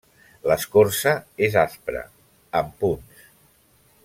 L'escorça és aspra, amb punts.